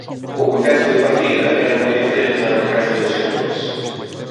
O contexto de partida era moi diferente á do resto de sectores.